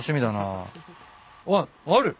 あっある。